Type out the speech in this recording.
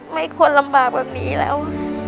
ไม่ควรลำบากแบบนี้แล้ว